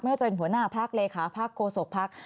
ไม่ว่าจะเป็นหัวหน้าพักเลขาพักโกศกพัก